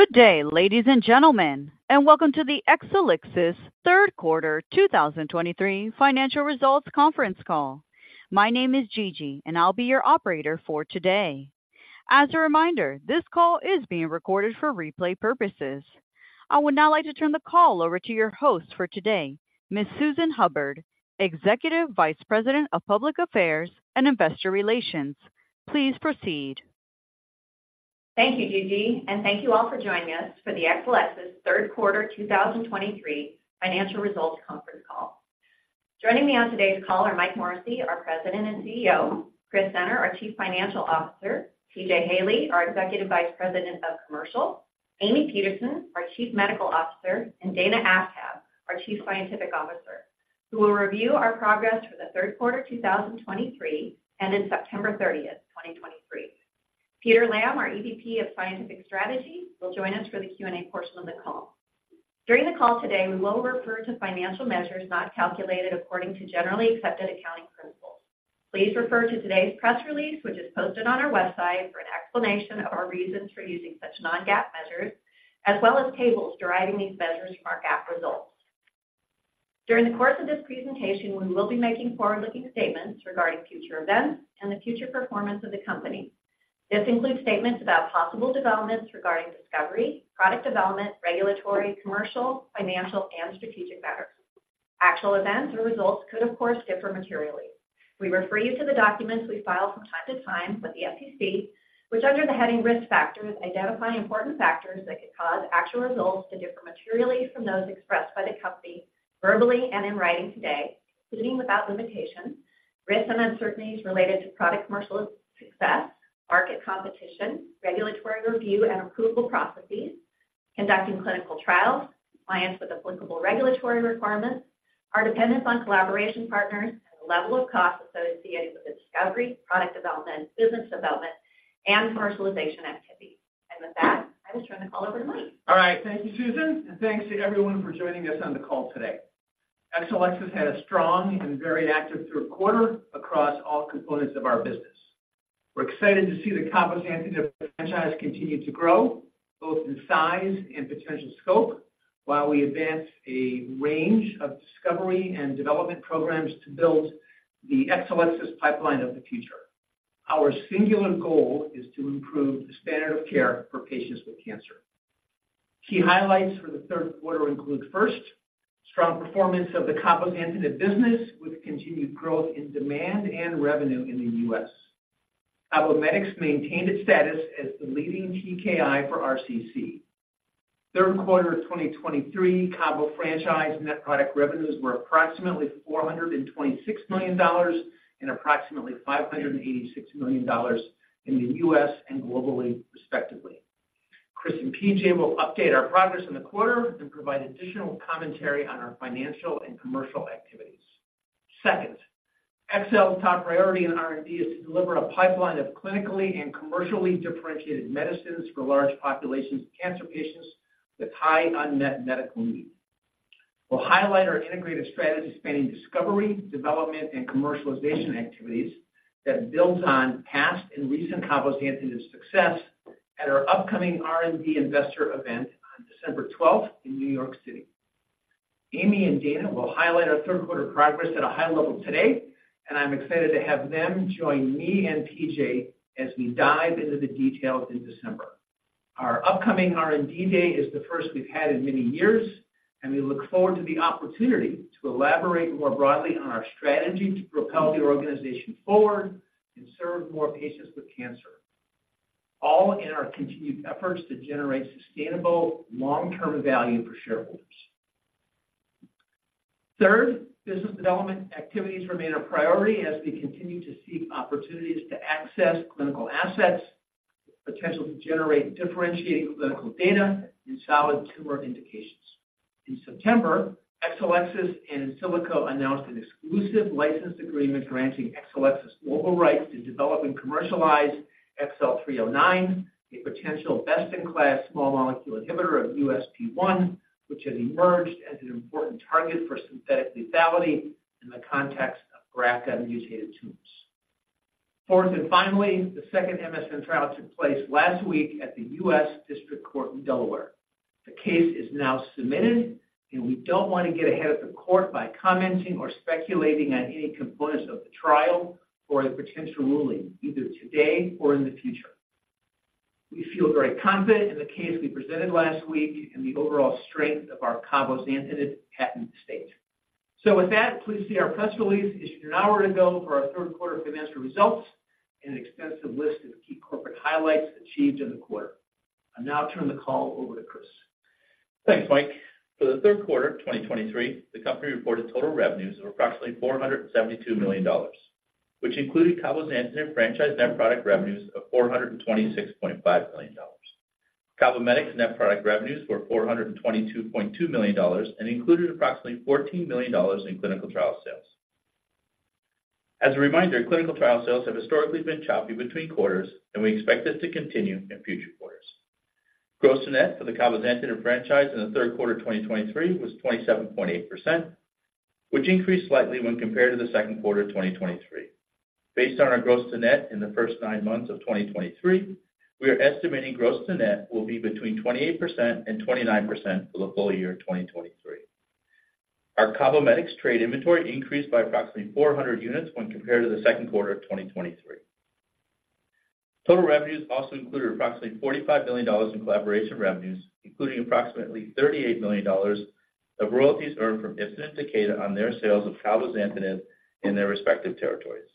Good day, ladies and gentlemen, and welcome to the Exelixis third quarter 2023 financial results conference call. My name is Gigi, and I'll be your operator for today. As a reminder, this call is being recorded for replay purposes. I would now like to turn the call over to your host for today, Miss Susan Hubbard, Executive Vice President of Public Affairs and Investor Relations. Please proceed. Thank you, Gigi, and thank you all for joining us for the Exelixis third quarter 2023 financial results conference call. Joining me on today's call are Mike Morrissey, our President and CEO, Chris Senner, our Chief Financial Officer, P.J. Haley, our Executive Vice President of Commercial, Amy Peterson, our Chief Medical Officer, and Dana Aftab, our Chief Scientific Officer, who will review our progress for the third quarter 2023, and end September 30, 2023. Peter Lamb, our EVP of Scientific Strategy, will join us for the Q&A portion of the call. During the call today, we will refer to financial measures not calculated according to generally accepted accounting principles. Please refer to today's press release, which is posted on our website, for an explanation of our reasons for using such non-GAAP measures, as well as tables deriving these measures from our GAAP results. During the course of this presentation, we will be making forward-looking statements regarding future events and the future performance of the company. This includes statements about possible developments regarding discovery, product development, regulatory, commercial, financial, and strategic matters. Actual events or results could, of course, differ materially. We refer you to the documents we file from time to time with the SEC, which, under the heading Risk Factors, identify important factors that could cause actual results to differ materially from those expressed by the company, verbally and in writing today, including, without limitation, risks and uncertainties related to product commercial success, market competition, regulatory review and approval processes, conducting clinical trials, compliance with applicable regulatory requirements, our dependence on collaboration partners, and the level of costs associated with discovery, product development, business development, and commercialization activities. With that, I will turn the call over to Mike. All right, thank you, Susan, and thanks to everyone for joining us on the call today. Exelixis had a strong and very active third quarter across all components of our business. We're excited to see the cabozantinib franchise continue to grow, both in size and potential scope, while we advance a range of discovery and development programs to build the Exelixis pipeline of the future. Our singular goal is to improve the standard of care for patients with cancer. Key highlights for the third quarter include, first, strong performance of the cabozantinib business, with continued growth in demand and revenue in the U.S. CABOMETYX maintained its status as the leading TKI for RCC. Third quarter 2023, cabo franchise net product revenues were approximately $426 million and approximately $586 million in the U.S. and globally, respectively. Chris and PJ will update our progress in the quarter and provide additional commentary on our financial and commercial activities. Second, XL's top priority in R&D is to deliver a pipeline of clinically and commercially differentiated medicines for large populations of cancer patients with high unmet medical needs. We'll highlight our integrated strategy spanning discovery, development, and commercialization activities that builds on past and recent Cabozantinib success at our upcoming R&D investor event on December twelfth in New York City. Amy and Dana will highlight our third quarter progress at a high level today, and I'm excited to have them join me and PJ as we dive into the details in December. Our upcoming R&D day is the first we've had in many years, and we look forward to the opportunity to elaborate more broadly on our strategy to propel the organization forward and serve more patients with cancer, all in our continued efforts to generate sustainable, long-term value for shareholders. Third, business development activities remain a priority as we continue to seek opportunities to access clinical assets, with potential to generate differentiating clinical data in solid tumor indications. In September, Exelixis and Insilico announced an exclusive license agreement granting Exelixis global rights to develop and commercialize XL309, a potential best-in-class small molecule inhibitor of USP1, which has emerged as an important target for synthetic lethality in the context of BRCA-mutated tumors. Fourth, and finally, the second MSN trial took place last week at the U.S. District Court in Delaware. The case is now submitted, and we don't want to get ahead of the Court by commenting or speculating on any components of the trial or the potential ruling, either today or in the future. We feel very confident in the case we presented last week and the overall strength of our Cabozantinib patent estate. With that, please see our press release issued an hour ago for our third quarter financial results and an extensive list of key corporate highlights achieved in the quarter. I'll now turn the call over to Chris. Thanks, Mike. For the third quarter of 2023, the company reported total revenues of approximately $472 million, which included Cabozantinib franchise net product revenues of $426.5 million. CABOMETYX net product revenues were $422.2 million and included approximately $14 million in clinical trial sales. As a reminder, clinical trial sales have historically been choppy between quarters, and we expect this to continue in future quarters. Gross to net for the Cabozantinib franchise in the third quarter of 2023 was 27.8%, which increased slightly when compared to the second quarter of 2023. Based on our gross to net in the first nine months of 2023, we are estimating gross to net will be between 28% and 29% for the full year of 2023. Our CABOMETYX trade inventory increased by approximately 400 units when compared to the second quarter of 2023. Total revenues also included approximately $45 billion in collaboration revenues, including approximately $38 million of royalties earned from Ipsen and Takeda on their sales of cabozantinib in their respective territories.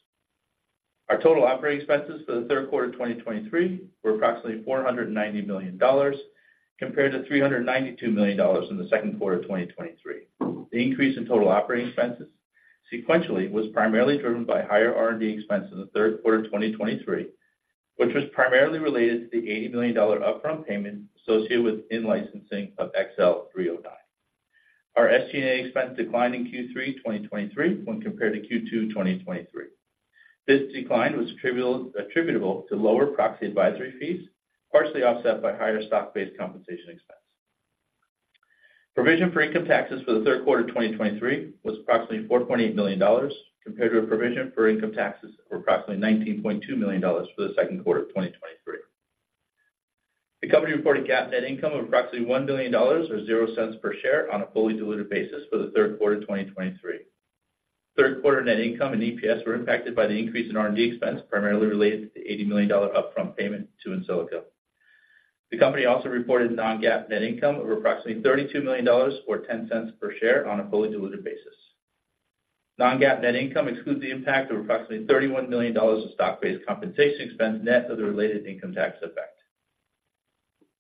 Our total operating expenses for the third quarter of 2023 were approximately $490 million, compared to $392 million in the second quarter of 2023. The increase in total operating expenses sequentially was primarily driven by higher R&D expenses in the third quarter of 2023, which was primarily related to the $80 million upfront payment associated with in-licensing of XL309. Our SG&A expense declined in Q3 2023 when compared to Q2 2023. This decline was attributable to lower proxy advisory fees, partially offset by higher stock-based compensation expense. Provision for income taxes for the third quarter of 2023 was approximately $4.8 million, compared to a provision for income taxes of approximately $19.2 million for the second quarter of 2023. The company reported GAAP net income of approximately $1 billion, or 0 cents per share on a fully diluted basis for the third quarter of 2023. Third quarter net income and EPS were impacted by the increase in R&D expense, primarily related to the $80 million upfront payment to Insilico. The company also reported non-GAAP net income of approximately $32 million, or 10 cents per share on a fully diluted basis. Non-GAAP net income excludes the impact of approximately $31 million of stock-based compensation expense net of the related income tax effect.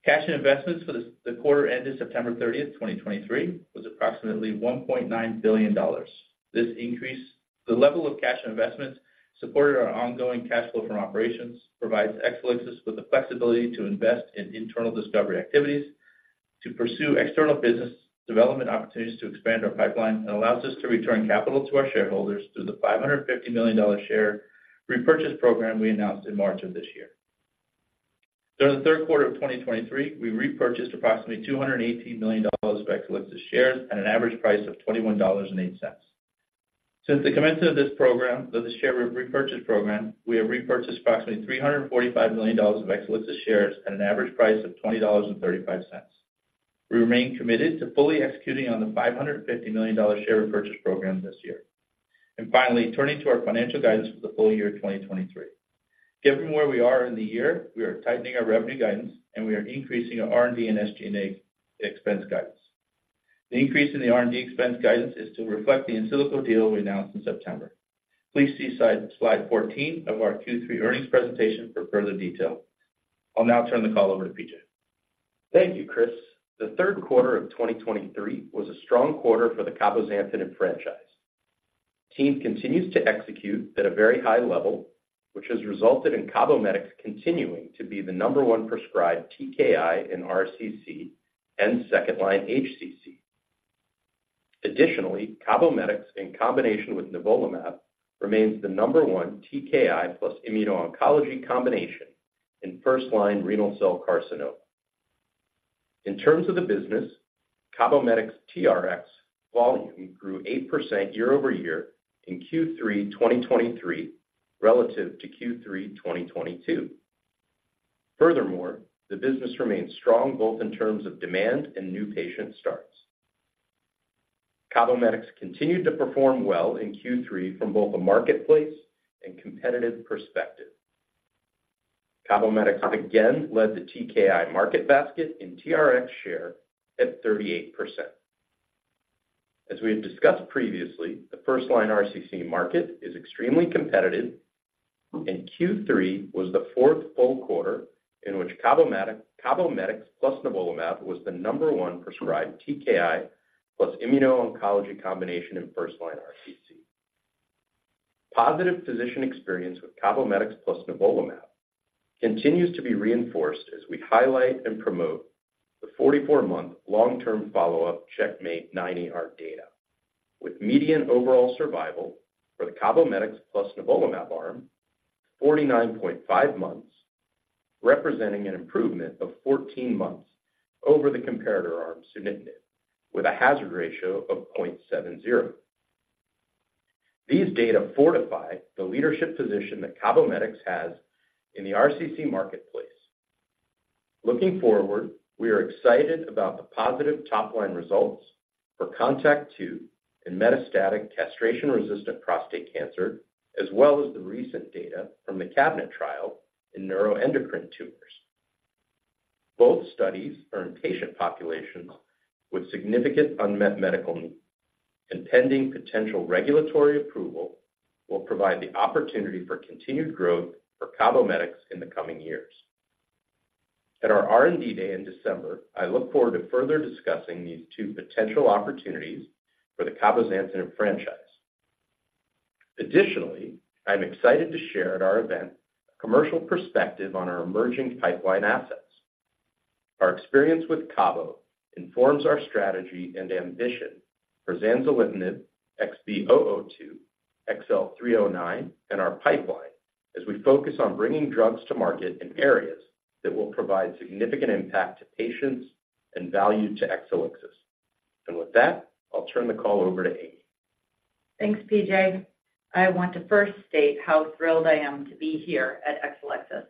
Cash and investments for the quarter ended September 30, 2023, was approximately $1.9 billion. The level of cash and investments supported our ongoing cash flow from operations, provides Exelixis with the flexibility to invest in internal discovery activities, to pursue external business development opportunities to expand our pipeline, and allows us to return capital to our shareholders through the $550 million share repurchase program we announced in March of this year. During the third quarter of 2023, we repurchased approximately $218 million of Exelixis shares at an average price of $21.08. Since the commencement of this program, of the share repurchase program, we have repurchased approximately $345 million of Exelixis shares at an average price of $20.35. We remain committed to fully executing on the $550 million share repurchase program this year. And finally, turning to our financial guidance for the full year of 2023. Given where we are in the year, we are tightening our revenue guidance and we are increasing our R&D and SG&A expense guidance. The increase in the R&D expense guidance is to reflect the Insilico deal we announced in September. Please see slide 14 of our Q3 earnings presentation for further detail. I'll now turn the call over to P.J. Thank you, Chris. The third quarter of 2023 was a strong quarter for the cabozantinib franchise. Team continues to execute at a very high level, which has resulted in CABOMETYX continuing to be the number one prescribed TKI in RCC and second-line HCC. Additionally, CABOMETYX, in combination with nivolumab, remains the number one TKI plus immuno-oncology combination in first-line renal cell carcinoma. In terms of the business, CABOMETYX TRx volume grew 8% year-over-year in Q3 2023 relative to Q3 2022. Furthermore, the business remains strong both in terms of demand and new patient starts. CABOMETYX continued to perform well in Q3 from both a marketplace and competitive perspective. CABOMETYX again led the TKI market basket in TRx share at 38%. As we have discussed previously, the first-line RCC market is extremely competitive, and Q3 was the fourth full quarter in which CABOMETYX plus nivolumab was the number one prescribed TKI plus immuno-oncology combination in first-line RCC. Positive physician experience with CABOMETYX plus nivolumab continues to be reinforced as we highlight and promote the 44-month long-term follow-up CheckMate 9ER data, with median overall survival for the CABOMETYX plus nivolumab arm, 49.5 months, representing an improvement of 14 months over the comparator arm sunitinib, with a hazard ratio of 0.70. These data fortify the leadership position that CABOMETYX has in the RCC marketplace. Looking forward, we are excited about the positive top-line results for CONTACT-02 in metastatic castration-resistant prostate cancer, as well as the recent data from the CABINET trial in neuroendocrine tumors. Both studies are in patient populations with significant unmet medical needs, and pending potential regulatory approval will provide the opportunity for continued growth for CABOMETYX in the coming years. At our R&D Day in December, I look forward to further discussing these two potential opportunities for the cabozantinib franchise. Additionally, I'm excited to share at our event a commercial perspective on our emerging pipeline assets. Our experience with CABO informs our strategy and ambition for zanzalintinib, XB002, XL309, and our pipeline... as we focus on bringing drugs to market in areas that will provide significant impact to patients and value to Exelixis. And with that, I'll turn the call over to Amy. Thanks, P.J. I want to first state how thrilled I am to be here at Exelixis.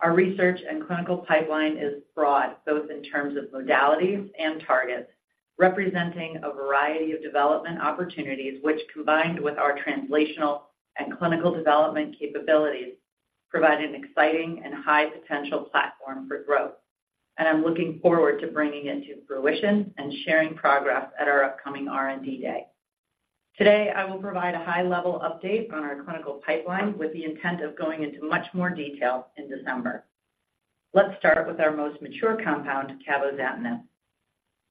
Our research and clinical pipeline is broad, both in terms of modalities and targets, representing a variety of development opportunities, which, combined with our translational and clinical development capabilities, provide an exciting and high-potential platform for growth. I'm looking forward to bringing it to fruition and sharing progress at our upcoming R&D Day. Today, I will provide a high-level update on our clinical pipeline, with the intent of going into much more detail in December. Let's start with our most mature compound, Cabozantinib.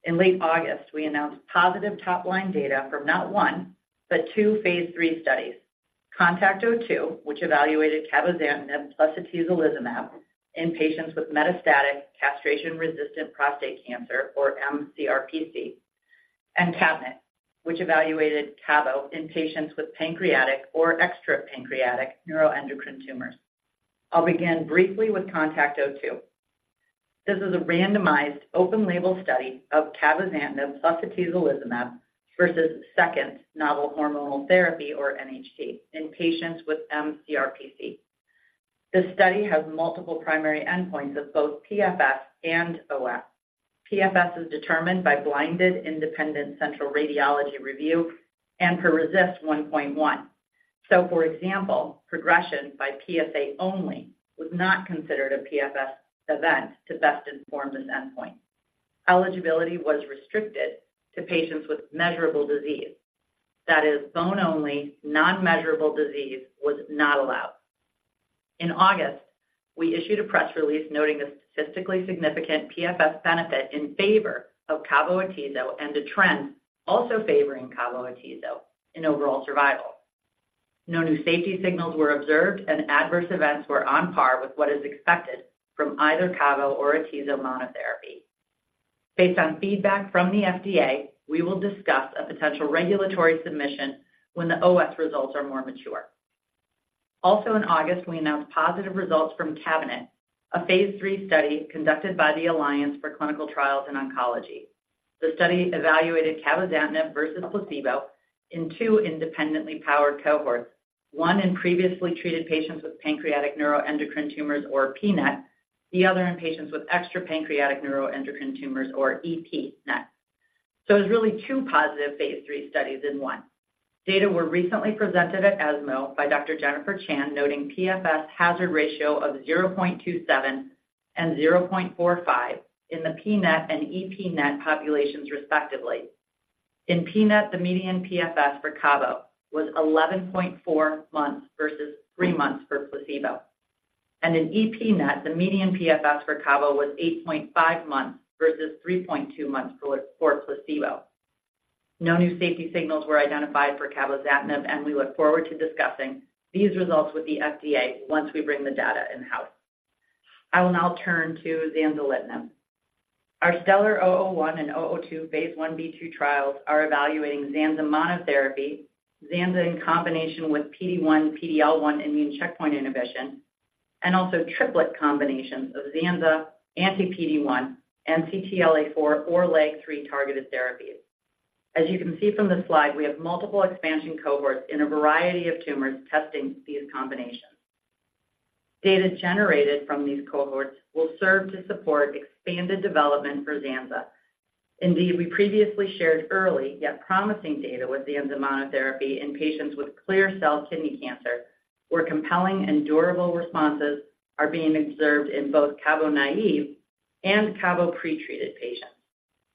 In late August, we announced positive top-line data from not one, but two phase III studies. CONTACT-02, which evaluated Cabozantinib plus atezolizumab in patients with metastatic castration-resistant prostate cancer, or mCRPC, and CABINET, which evaluated cabo in patients with pancreatic or extra-pancreatic neuroendocrine tumors. I'll begin briefly with CONTACT-02. This is a randomized, open-label study of Cabozantinib plus atezolizumab versus second novel hormonal therapy, or NHT, in patients with mCRPC. This study has multiple primary endpoints of both PFS and OS. PFS is determined by blinded independent central radiology review and per RECIST 1.1. So, for example, progression by PSA only was not considered a PFS event to best inform this endpoint. Eligibility was restricted to patients with measurable disease. That is, bone-only, non-measurable disease was not allowed. In August, we issued a press release noting a statistically significant PFS benefit in favor of cabo-atezo and a trend also favoring cabo-atezo in overall survival. No new safety signals were observed, and adverse events were on par with what is expected from either cabo or atezo monotherapy. Based on feedback from the FDA, we will discuss a potential regulatory submission when the OS results are more mature. Also in August, we announced positive results from CABINET, a phase III study conducted by the Alliance for Clinical Trials in Oncology. The study evaluated cabozantinib versus placebo in two independently powered cohorts, one in previously treated patients with pancreatic neuroendocrine tumors or pNET, the other in patients with extra-pancreatic neuroendocrine tumors or EPNET. It was really two positive phase III studies in one. Data were recently presented at ESMO by Dr. Jennifer Chan, noting PFS hazard ratio of 0.27 and 0.45 in the pNET and EPNET populations, respectively. In pNET, the median PFS for cabo was 11.4 months versus 3 months for placebo. In EPNET, the median PFS for cabo was 8.5 months versus 3.2 months for placebo. No new safety signals were identified for Cabozantinib, and we look forward to discussing these results with the FDA once we bring the data in-house. I will now turn to zanzalintinib. Our STELLAR-001 and 002 phase 1b/2 trials are evaluating zanza monotherapy, zanza in combination with PD-1/PD-L1 immune checkpoint inhibition, and also triplet combinations of zanza, anti-PD-1, and CTLA-4 or LAG-3 targeted therapies. As you can see from the slide, we have multiple expansion cohorts in a variety of tumors testing these combinations. Data generated from these cohorts will serve to support expanded development for zanza. Indeed, we previously shared early, yet promising data with zanza monotherapy in patients with clear cell kidney cancer, where compelling and durable responses are being observed in both cabo-naive and cabo-pretreated patients.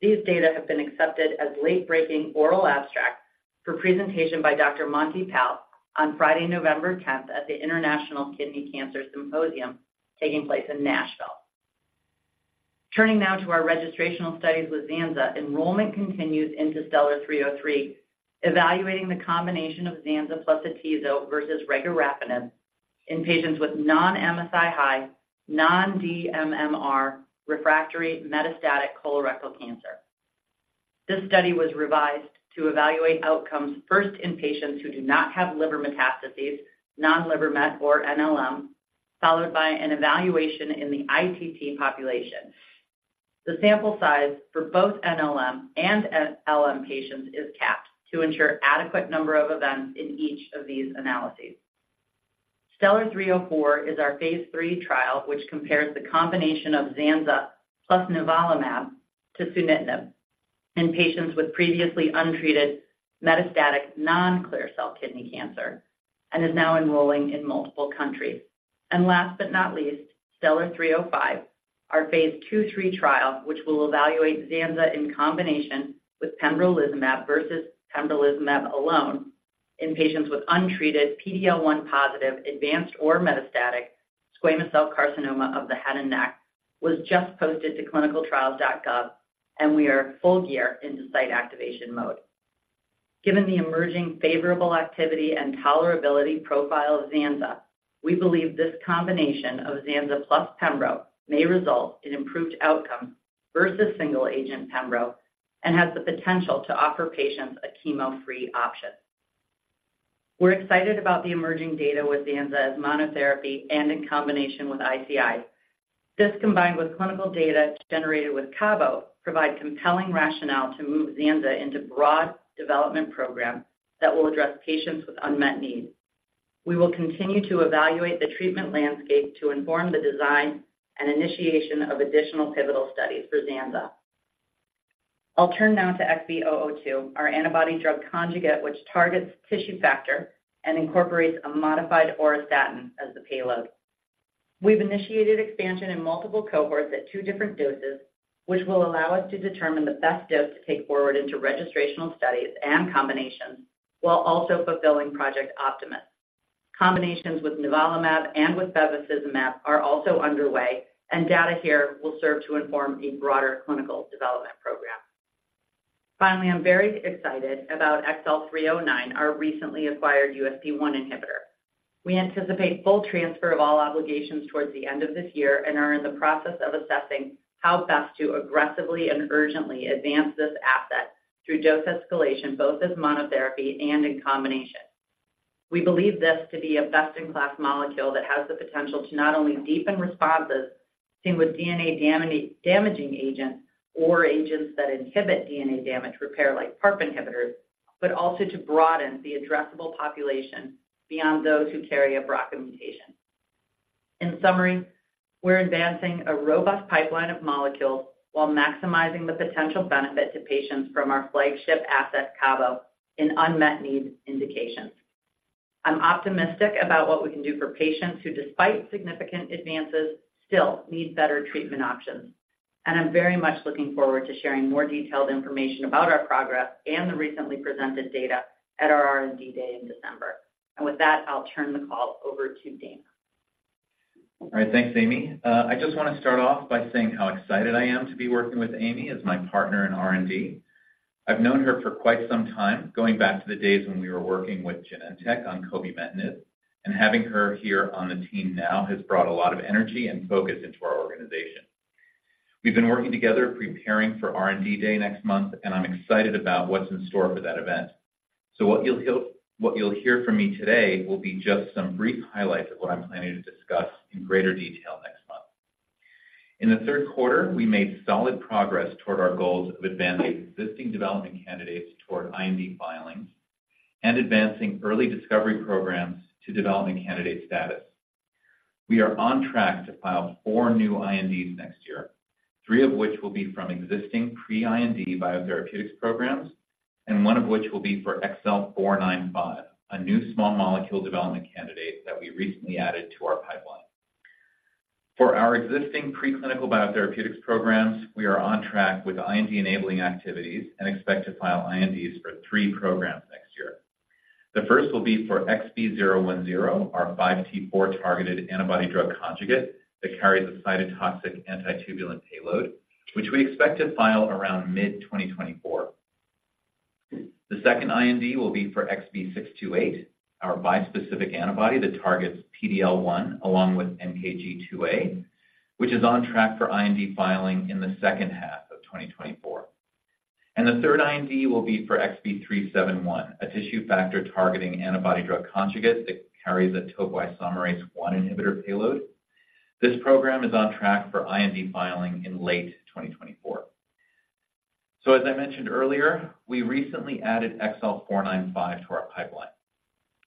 These data have been accepted as late-breaking oral abstracts for presentation by Dr. Monty Pal on Friday, November tenth, at the International Kidney Cancer Symposium, taking place in Nashville. Turning now to our registrational studies with zanza, enrollment continues into STELLAR-303, evaluating the combination of zanza plus atezo versus regorafenib in patients with non-MSI-high, non-DMMR, refractory metastatic colorectal cancer. This study was revised to evaluate outcomes first in patients who do not have liver metastases, non-liver met or NLM, followed by an evaluation in the ITT population. The sample size for both NLM and LM patients is capped to ensure adequate number of events in each of these analyses. STELLAR-304 is our Phase III trial, which compares the combination of zanza plus nivolumab to sunitinib in patients with previously untreated metastatic non-clear cell kidney cancer and is now enrolling in multiple countries. Last but not least, STELLAR-305, our phase II/III trial, which will evaluate zanzalintinib in combination with pembrolizumab versus pembrolizumab alone in patients with untreated PD-L1 positive, advanced or metastatic squamous cell carcinoma of the head and neck, was just posted to clinicaltrials.gov, and we are full gear into site activation mode. Given the emerging favorable activity and tolerability profile of zanzalintinib, we believe this combination of zanzalintinib plus pembrolizumab may result in improved outcomes versus single-agent pembrolizumab and has the potential to offer patients a chemo-free option. We're excited about the emerging data with zanzalintinib as monotherapy and in combination with ICI. This, combined with clinical data generated with cabozantinib, provide compelling rationale to move zanzalintinib into broad development program that will address patients with unmet needs. We will continue to evaluate the treatment landscape to inform the design and initiation of additional pivotal studies for zanzalintinib. I'll turn now to XB002, our antibody drug conjugate, which targets tissue factor and incorporates a modified auristatin as the payload. We've initiated expansion in multiple cohorts at two different doses, which will allow us to determine the best dose to take forward into registrational studies and combinations, while also fulfilling Project Optimus. Combinations with nivolumab and with bevacizumab are also underway, and data here will serve to inform a broader clinical development program. Finally, I'm very excited about XL309, our recently acquired USP1 inhibitor. We anticipate full transfer of all obligations towards the end of this year and are in the process of assessing how best to aggressively and urgently advance this asset through dose escalation, both as monotherapy and in combination. We believe this to be a best-in-class molecule that has the potential to not only deepen responses seen with DNA damage, damaging agents, or agents that inhibit DNA damage repair, like PARP inhibitors, but also to broaden the addressable population beyond those who carry a BRCA mutation. In summary, we're advancing a robust pipeline of molecules while maximizing the potential benefit to patients from our flagship asset, CABO, in unmet need indications. I'm optimistic about what we can do for patients who, despite significant advances, still need better treatment options. I'm very much looking forward to sharing more detailed information about our progress and the recently presented data at our R&D Day in December. With that, I'll turn the call over to Dana. All right, thanks, Amy. I just want to start off by saying how excited I am to be working with Amy as my partner in R&D. I've known her for quite some time, going back to the days when we were working with Genentech on cobimetinib, and having her here on the team now has brought a lot of energy and focus into our organization. We've been working together, preparing for R&D Day next month, and I'm excited about what's in store for that event. So what you'll hear, what you'll hear from me today will be just some brief highlights of what I'm planning to discuss in greater detail next month. In the third quarter, we made solid progress toward our goals of advancing existing development candidates toward IND filings and advancing early discovery programs to development candidate status. We are on track to file four new INDs next year, three of which will be from existing pre-IND biotherapeutics programs, and one of which will be for XL495, a new small molecule development candidate that we recently added to our pipeline. For our existing preclinical biotherapeutics programs, we are on track with IND-enabling activities and expect to file INDs for three programs next year. The first will be for XB010, our 5T4-targeted antibody-drug conjugate that carries a cytotoxic antitubulin payload, which we expect to file around mid-2024. The second IND will be for XB628, our bispecific antibody that targets PD-L1 along with NKG2A, which is on track for IND filing in the second half of 2024. The third IND will be for XB371, a tissue factor-targeting antibody-drug conjugate that carries a topoisomerase I inhibitor payload. This program is on track for IND filing in late 2024. So as I mentioned earlier, we recently added XL495 to our pipeline.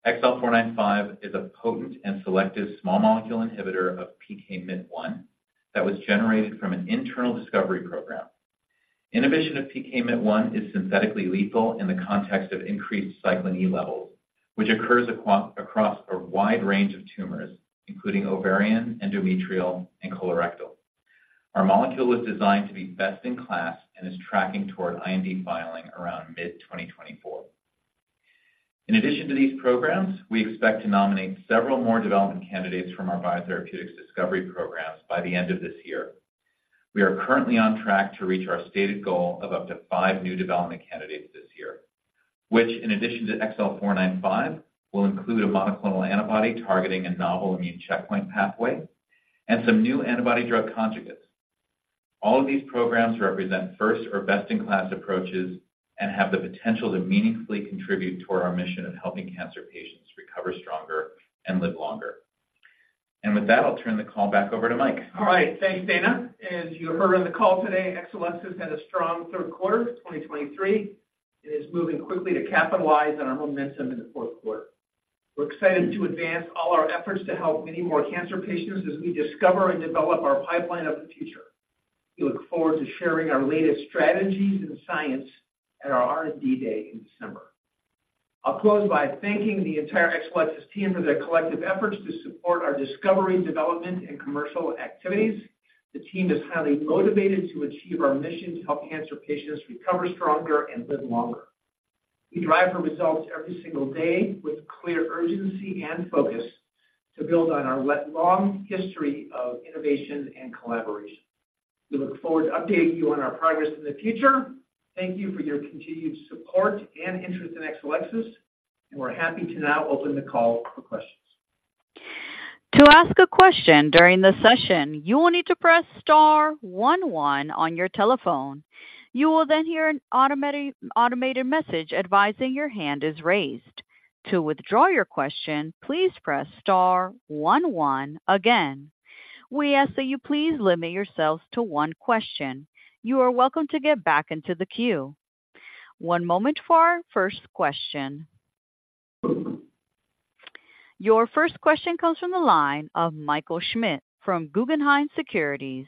XL495 is a potent and selective small molecule inhibitor of PKMYT1 that was generated from an internal discovery program. Inhibition of PKMYT1 is synthetically lethal in the context of increased cyclin E levels, which occurs across a wide range of tumors, including ovarian, endometrial, and colorectal. Our molecule was designed to be best in class and is tracking toward IND filing around mid-2024. In addition to these programs, we expect to nominate several more development candidates from our biotherapeutics discovery programs by the end of this year. We are currently on track to reach our stated goal of up to five new development candidates this year, which, in addition to XL495, will include a monoclonal antibody targeting a novel immune checkpoint pathway and some new antibody drug conjugates. All of these programs represent first or best-in-class approaches and have the potential to meaningfully contribute toward our mission of helping cancer patients recover stronger and live longer. With that, I'll turn the call back over to Mike. All right, thanks, Dana. As you heard on the call today, Exelixis had a strong third quarter of 2023 and is moving quickly to capitalize on our momentum in the fourth quarter. We're excited to advance all our efforts to help many more cancer patients as we discover and develop our pipeline of the future. We look forward to sharing our latest strategies and science at our R&D Day in December. I'll close by thanking the entire Exelixis team for their collective efforts to support our discovery, development, and commercial activities. The team is highly motivated to achieve our mission to help cancer patients recover stronger and live longer. We drive for results every single day with clear urgency and focus to build on our long history of innovation and collaboration. We look forward to updating you on our progress in the future. Thank you for your continued support and interest in Exelixis, and we're happy to now open the call for questions. To ask a question during the session, you will need to press star one one on your telephone. You will then hear an automated message advising your hand is raised. To withdraw your question, please press star one one again. We ask that you please limit yourselves to one question. You are welcome to get back into the queue. One moment for our first question. Your first question comes from the line of Michael Schmidt from Guggenheim Securities.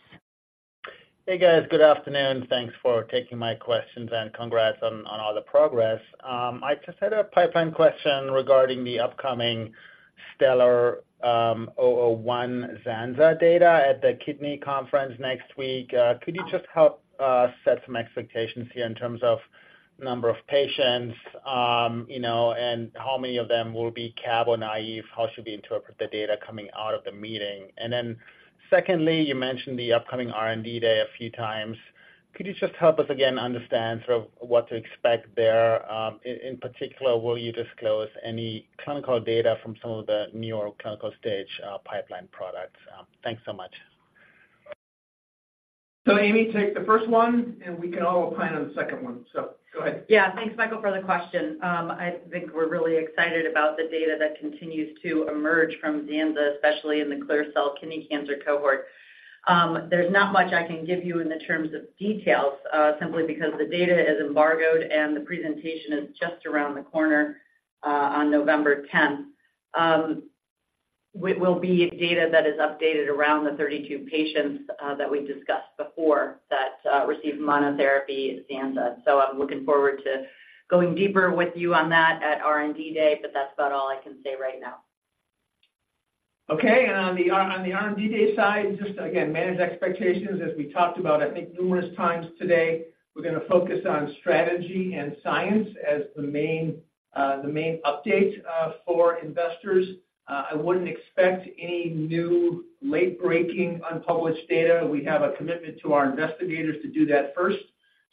Hey, guys. Good afternoon. Thanks for taking my questions, and congrats on, on all the progress. I just had a pipeline question regarding the upcoming STELLAR-001 zanzalintinib data at the kidney conference next week. Could you just help set some expectations here in terms of number of patients, you know, and how many of them will be CABOMETYX or naive? How should we interpret the data coming out of the meeting? Secondly, you mentioned the upcoming R&D Day a few times. Could you just help us again understand sort of what to expect there? In particular, will you disclose any clinical data from some of the New York City clinical stage pipeline products? Thanks so much. So Amy, take the first one, and we can all opine on the second one. So go ahead. Yeah. Thanks, Michael, for the question. I think we're really excited about the data that continues to emerge from Zanza, especially in the clear cell kidney cancer cohort. There's not much I can give you in the terms of details, simply because the data is embargoed and the presentation is just around the corner, on November tenth. It will be data that is updated around the 32 patients, that receive monotherapy Zanza. So I'm looking forward to going deeper with you on that at R&D Day, but that's about all I can say right now. Okay. And on the R&D Day side, just again, manage expectations as we talked about, I think, numerous times today. We're gonna focus on strategy and science as the main, the main update, for investors. I wouldn't expect any new, late-breaking, unpublished data. We have a commitment to our investigators to do that first.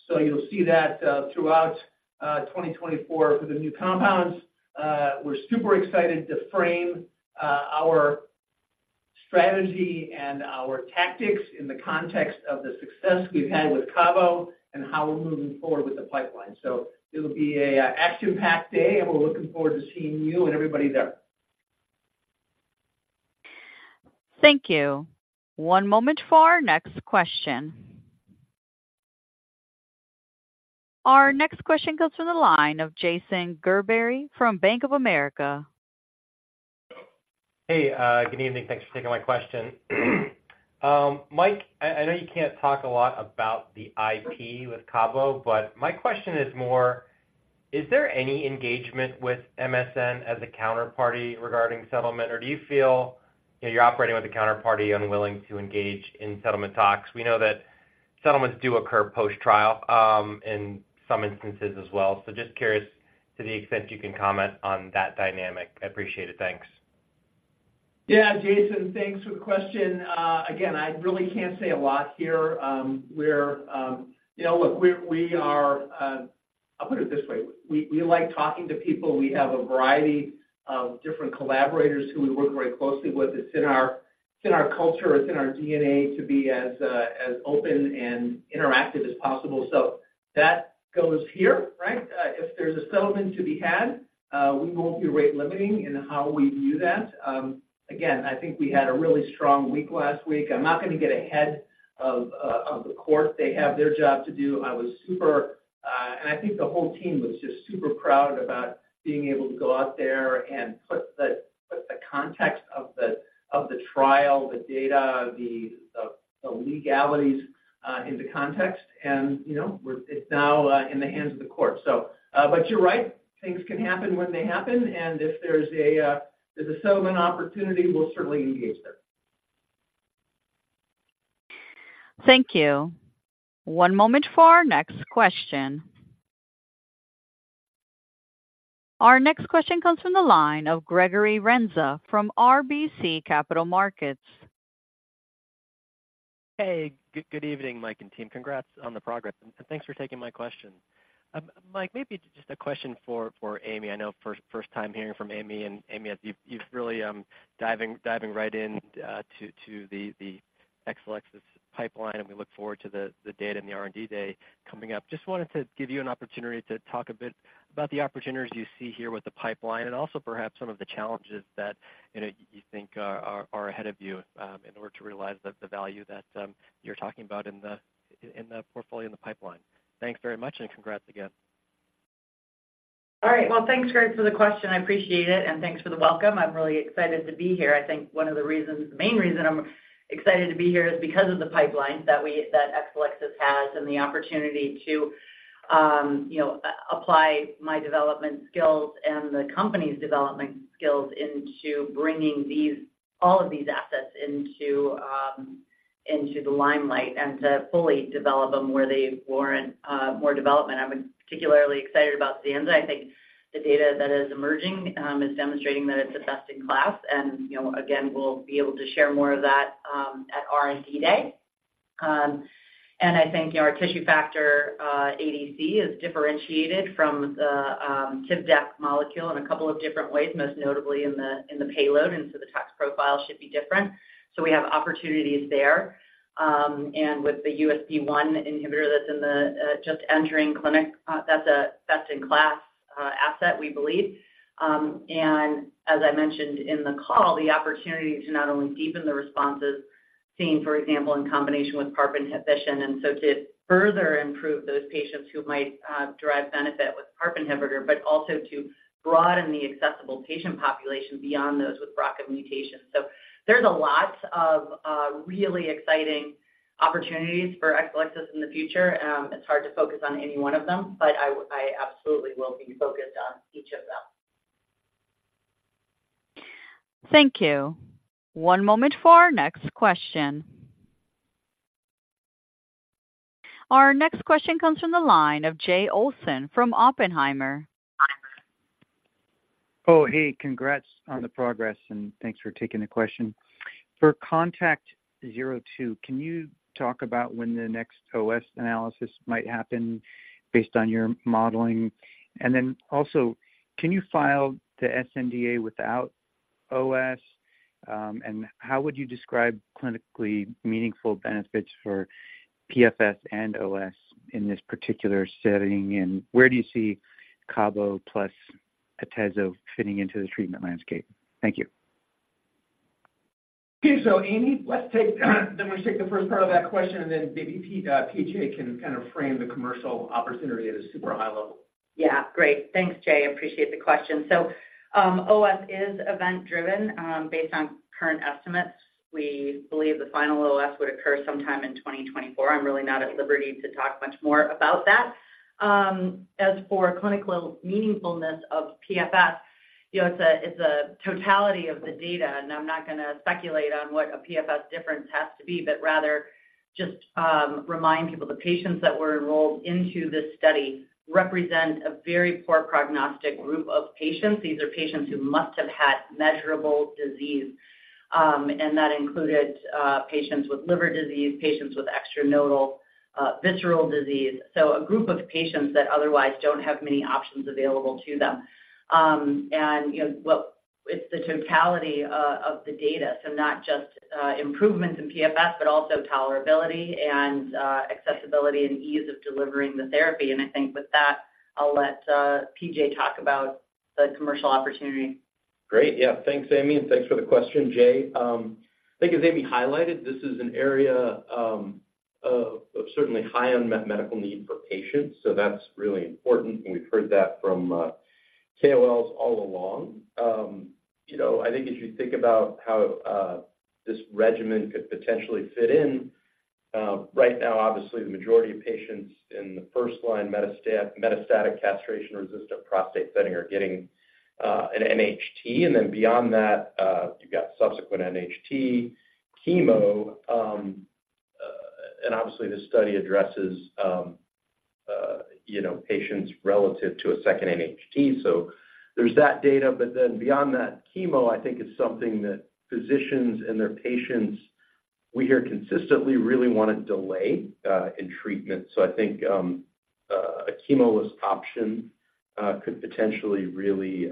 So you'll see that, throughout, 2024 for the new compounds. We're super excited to frame, our strategy and our tactics in the context of the success we've had with CABO and how we're moving forward with the pipeline. So it'll be a, action-packed day, and we're looking forward to seeing you and everybody there. Thank you. One moment for our next question. Our next question comes from the line of Jason Gerberry from Bank of America. Hey, good evening. Thanks for taking my question. Mike, I know you can't talk a lot about the IP with CABO, but my question is more, is there any engagement with MSN as a counterparty regarding settlement, or do you feel, you know, you're operating with a counterparty unwilling to engage in settlement talks? We know that settlements do occur post-trial, in some instances as well. So just curious to the extent you can comment on that dynamic. I appreciate it. Thanks. Yeah, Jason, thanks for the question. Again, I really can't say a lot here. I'll put it this way. We like talking to people. We have a variety of different collaborators who we work very closely with. It's in our culture, it's in our DNA to be as open and interactive as possible. So that goes here, right? If there's a settlement to be had, we won't be rate-limiting in how we view that. Again, I think we had a really strong week last week. I'm not going to get ahead of the court. They have their job to do. I was super, and I think the whole team was just super proud about being able to go out there and put the context of the trial, the data, the legalities into context, and, you know, we're, it's now in the hands of the court. So, but you're right, things can happen when they happen, and if there's a settlement opportunity, we'll certainly engage there. Thank you. One moment for our next question. Our next question comes from the line of Gregory Renza from RBC Capital Markets. Hey, good evening, Mike and team. Congrats on the progress, and thanks for taking my question. Mike, maybe just a question for Amy. I know, first time hearing from Amy, and Amy, as you've really diving right in to the Exelixis pipeline, and we look forward to the data and the R&D day coming up. Just wanted to give you an opportunity to talk a bit about the opportunities you see here with the pipeline and also perhaps some of the challenges that, you know, you think are ahead of you in order to realize the value that you're talking about in the portfolio, in the pipeline. Thanks very much, and congrats again. All right. Well, thanks, Greg, for the question. I appreciate it, and thanks for the welcome. I'm really excited to be here. I think one of the reasons, the main reason I'm excited to be here is because of the pipeline that we, that Exelixis has and the opportunity to, you know, apply my development skills and the company's development skills into bringing these all of these assets into, into the limelight and to fully develop them where they warrant, more development. I'm particularly excited about Zanza. I think the data that is emerging, is demonstrating that it's the best in class, and, you know, again, we'll be able to share more of that, at R&D Day. And I think our tissue factor ADC is differentiated from the Tivdak molecule in a couple of different ways, most notably in the payload, and so the toxicity profile should be different. So we have opportunities there. And with the USP-1 inhibitor that's just entering clinic, that's a best-in-class asset, we believe. And as I mentioned in the call, the opportunity to not only deepen the responses seen, for example, in combination with PARP inhibition, and so to further improve those patients who might derive benefit with PARP inhibitor, but also to broaden the accessible patient population beyond those with BRCA mutations. So there's a lot of really exciting opportunities for Exelixis in the future. It's hard to focus on any one of them, but I absolutely will be focused on each of them. Thank you. One moment for our next question. Our next question comes from the line of Jay Olson from Oppenheimer. Oh, hey, congrats on the progress, and thanks for taking the question. For CONTACT-02, can you talk about when the next OS analysis might happen based on your modeling? And then also, can you file the sNDA without OS? And how would you describe clinically meaningful benefits for PFS and OS in this particular setting? And where do you see CABO plus Atezo fitting into the treatment landscape? Thank you. Okay, so Amy, let's take, let me take the first part of that question, and then maybe P.J. can kind of frame the commercial opportunity at a super high level. Yeah, great. Thanks, Jay. I appreciate the question. So, OS is event-driven, based on current estimates. We believe the final OS would occur sometime in 2024. I'm really not at liberty to talk much more about that. As for clinical meaningfulness of PFS, you know, it's a, it's a totality of the data, and I'm not going to speculate on what a PFS difference has to be, but rather just remind people, the patients that were enrolled into this study represent a very poor prognostic group of patients. These are patients who must have had measurable disease, and that included patients with liver disease, patients with extranodal visceral disease. So a group of patients that otherwise don't have many options available to them. And, you know, well, it's the totality of the data, so not just improvements in PFS, but also tolerability and accessibility and ease of delivering the therapy. And I think with that, I'll let P.J. talk about the commercial opportunity. Great. Yeah. Thanks, Amy, and thanks for the question, Jay. I think as Amy highlighted, this is an area of certainly high unmet medical need for patients, so that's really important, and we've heard that from KOLs all along. You know, I think as you think about how this regimen could potentially fit in, right now, obviously, the majority of patients in the first line metastatic castration-resistant prostate setting are getting an NHT. And then beyond that, you've got subsequent NHT, chemo, and obviously, this study addresses, you know, patients relative to a second NHT. So there's that data, but then beyond that, chemo, I think is something that physicians and their patients, we hear consistently, really want to delay in treatment. So I think a chemo-less option could potentially really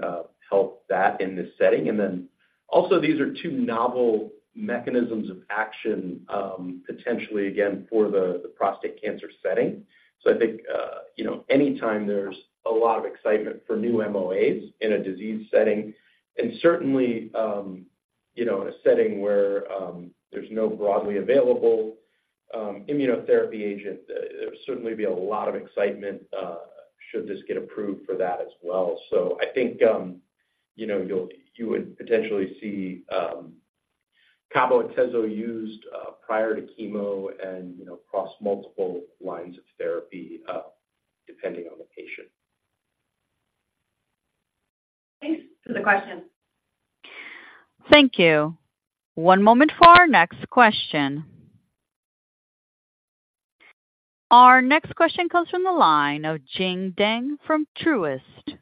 help that in this setting. And then also, these are two novel mechanisms of action, potentially, again, for the prostate cancer setting. So I think you know, anytime there's a lot of excitement for new MOAs in a disease setting, and certainly you know, in a setting where there's no broadly available immunotherapy agent, there certainly be a lot of excitement should this get approved for that as well. So I think you know, you would potentially see CABO-Atezo used prior to chemo and you know, across multiple lines of therapy depending on the patient. Thanks for the question. Thank you. One moment for our next question. Our next question comes from the line of Asthika Goonewardene from Truist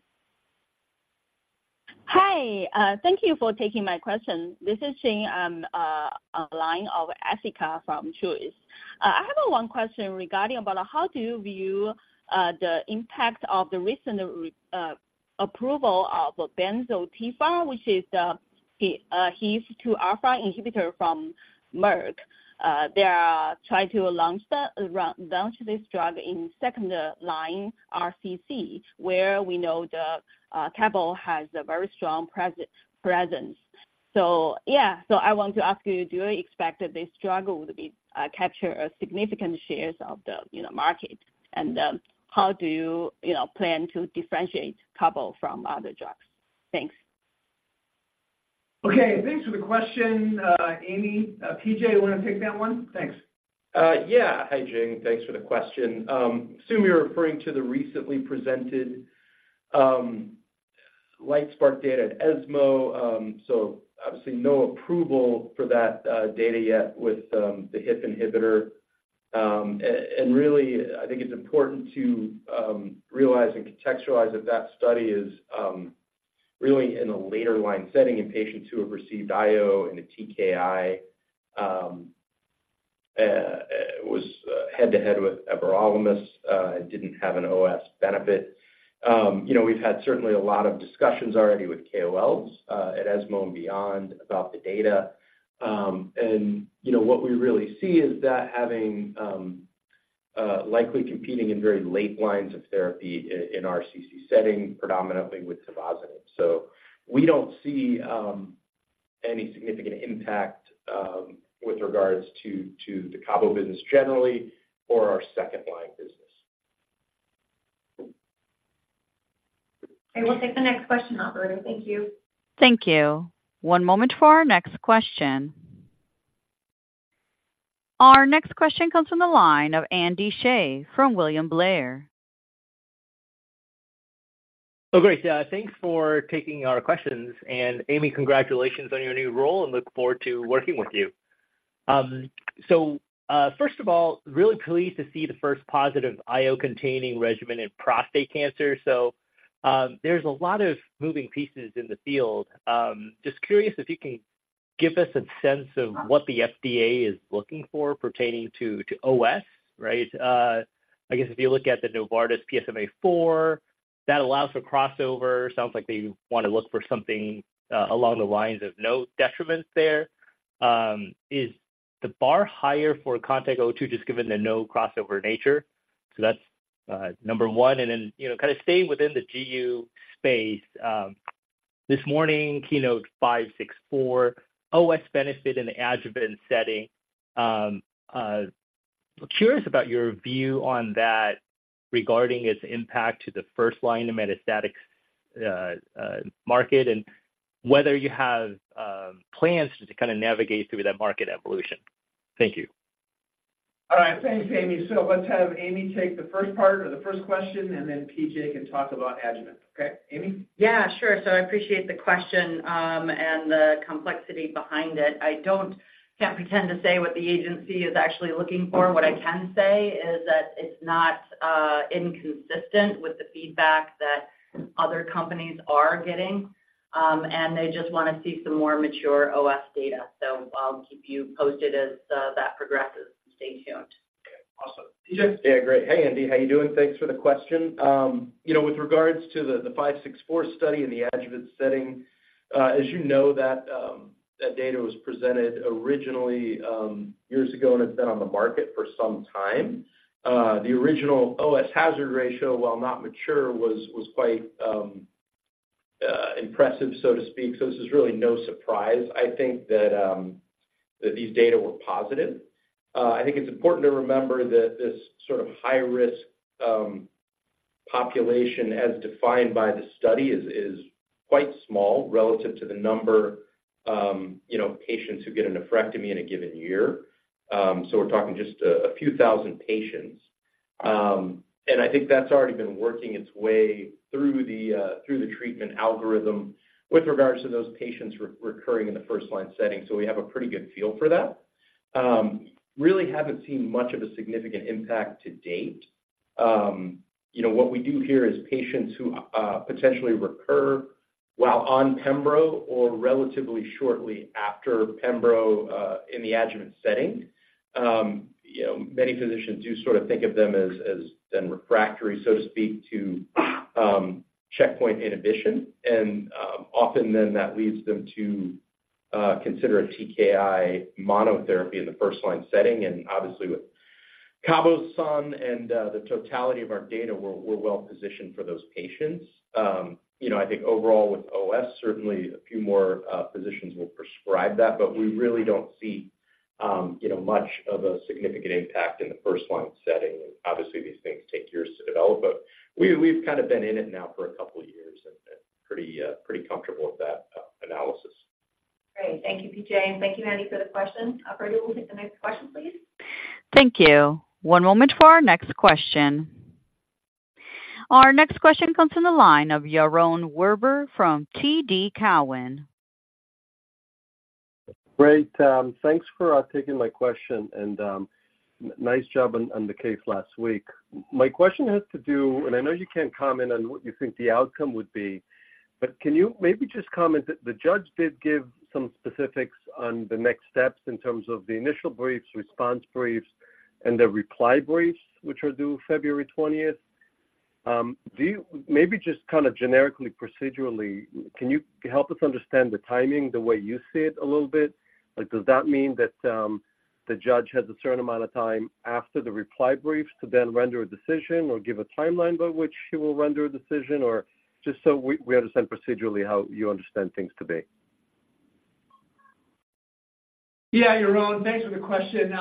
Securities. Hi, thank you for taking my question. This is on the line of Asthika from Truist. I have one question regarding about how do you view the impact of the recent approval of belzutifan, which is the HIF-2 alpha inhibitor from Merck. They are trying to launch this drug in second line RCC, where we know the CABO has a very strong presence. So yeah, so I want to ask you, do you expect that this drug would be capture a significant shares of the, you know, market? And, how do you, you know, plan to differentiate CABO from other drugs? Thanks. Okay, thanks for the question, Amy. P.J., you want to take that one? Thanks. Yeah. Hi, Jing. Thanks for the question. Assume you're referring to the recently presented Lightspark data at ESMO. So obviously, no approval for that data yet with the HIF inhibitor. And really, I think it's important to realize and contextualize that that study is really in a later line setting in patients who have received IO and a TKI, was head-to-head with everolimus, and didn't have an OS benefit. You know, we've had certainly a lot of discussions already with KOLs at ESMO and beyond about the data. And, you know, what we really see is that having likely competing in very late lines of therapy in RCC setting, predominantly with tivozanib. We don't see any significant impact with regards to the cabo business generally or our second-line business. We'll take the next question, operator. Thank you. Thank you. One moment for our next question. Our next question comes from the line of Andy Hsieh from William Blair. Oh, great. Thanks for taking our questions. And Amy, congratulations on your new role, and look forward to working with you. So, first of all, really pleased to see the first positive IO-containing regimen in prostate cancer. So, there's a lot of moving pieces in the field. Just curious if you can give us a sense of what the FDA is looking for pertaining to, to OS, right? I guess if you look at the Novartis PSMA-4, that allows for crossover. Sounds like they want to look for something, along the lines of no detriments there. Is the bar higher for CONTACT-02, just given the no crossover nature? So that's number one. And then, you know, kind of staying within the GU space, this morning, KEYNOTE-564, OS benefit in the adjuvant setting. Curious about your view on that regarding its impact to the first line of metastatic market, and whether you have plans to kind of navigate through that market evolution. Thank you. All right. Thanks, Amy. So let's have Amy take the first part or the first question, and then P.J. can talk about adjuvant. Okay, Amy? Yeah, sure. So I appreciate the question, and the complexity behind it. I can't pretend to say what the agency is actually looking for. What I can say is that it's not inconsistent with the feedback that other companies are getting, and they just want to see some more mature OS data. So I'll keep you posted as that progresses. Stay tuned. Okay, awesome. P.J.? Yeah, great. Hey, Andy, how are you doing? Thanks for the question. You know, with regards to the, the KEYNOTE-564 study in the adjuvant setting, as you know, that, that data was presented originally, years ago, and it's been on the market for some time. The original OS hazard ratio, while not mature, was, was quite, impressive, so to speak. So this is really no surprise. I think that, that these data were positive. I think it's important to remember that this sort of high risk, population, as defined by the study, is, is quite small relative to the number, you know, patients who get a nephrectomy in a given year. So we're talking just a, a few thousand patients. And I think that's already been working its way through the, through the treatment algorithm with regards to those patients re-recurring in the first line setting. So we have a pretty good feel for that. Really haven't seen much of a significant impact to date. You know, what we do hear is patients who, potentially recur while on pembro or relatively shortly after pembro, in the adjuvant setting. You know, many physicians do sort of think of them as, as then refractory, so to speak, to, checkpoint inhibition. And, often then that leads them to, consider a TKI monotherapy in the first line setting, and obviously with CABOSUN and, the totality of our data, we're, we're well positioned for those patients. You know, I think overall with OS, certainly a few more physicians will prescribe that, but we really don't see, you know, much of a significant impact in the first line setting. Obviously, these things take years to develop, but we've kind of been in it now for a couple of years and pretty comfortable with that analysis. Great. Thank you, P.J., and thank you, Andy, for the question. Operator, we'll take the next question, please. Thank you. One moment for our next question. Our next question comes from the line of Yaron Werber from TD Cowen. Great, thanks for taking my question, and nice job on the case last week. My question has to do, and I know you can't comment on what you think the outcome would be, but can you maybe just comment? The judge did give some specifics on the next steps in terms of the initial briefs, response briefs, and the reply briefs, which are due February twentieth. Do you, maybe just kind of generically, procedurally, can you help us understand the timing, the way you see it a little bit? Like, does that mean that the judge has a certain amount of time after the reply briefs to then render a decision or give a timeline by which he will render a decision? Or just so we understand procedurally how you understand things to be. Yeah, Yaron, thanks for the question.